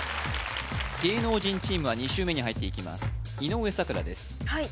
芸能人チームは２週目に入っていきます井上咲楽ですはい